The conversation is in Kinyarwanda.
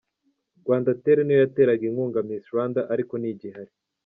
Rwandatel niyo yaterag inkunga Miss Rwanda, ariko ntigihari.